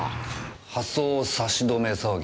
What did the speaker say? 発送差し止め騒ぎ？